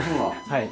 はい。